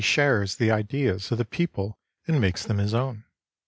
49 shares the ideas of the people and makes them his own.